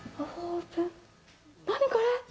何これ！